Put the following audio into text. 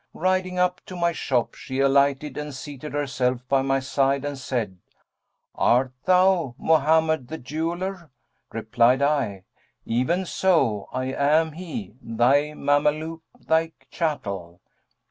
Riding up to my shop she alighted and seated herself by my side and said 'Art thou Mohammed the Jeweller?' Replied I, 'Even so! I am he, thy Mameluke, thy chattel.'